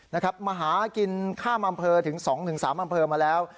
นะครับมาหากินข้ามอำเภอถึง๒๓อำเภอมาแล้ว